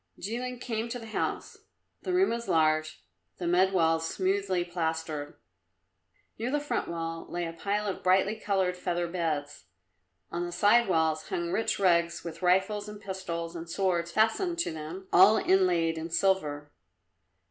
Jilin came to the house. The room was large, the mud walls smoothly plastered. Near the front wall lay a pile of brightly coloured feather beds, on the side walls hung rich rugs with rifles and pistols and swords fastened to them, all inlaid in silver.